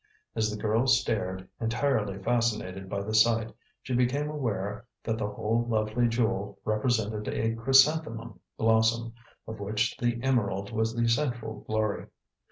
As the girl stared, entirely fascinated by the sight, she became aware that the whole lovely jewel represented a chrysanthemum blossom, of which the emerald was the central glory.